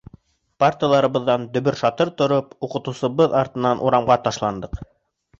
Парталарыбыҙҙан дөбөр-шатыр тороп, уҡытыусыбыҙ артынан урамға ташландыҡ.